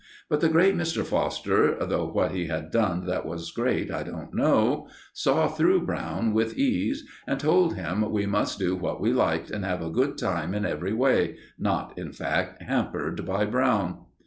But the great Mr. Foster though what he had done that was great I don't know saw through Brown with ease, and told him we must do what we liked, and have a good time in every way not, in fact, hampered by Brown.